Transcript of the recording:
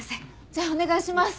じゃあお願いします